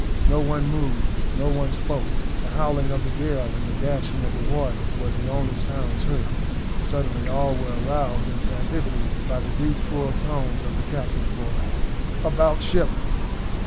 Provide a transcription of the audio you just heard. No one moved no one spoke the howling of the gale and the dashing of the waters were the only sounds heard. Suddenly all were aroused into activity by the deep full tones of the captain's voice. "About ship!"